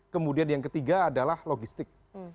kemudian yang ketiga adalah logistik